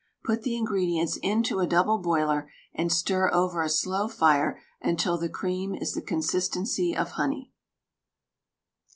Put the ingredients into a double boiler and stir over a slow fire until the cream is the consistency of honey.